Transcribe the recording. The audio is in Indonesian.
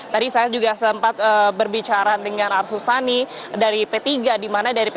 tadi saya juga sempat berbicara dengan arsusani dari p tiga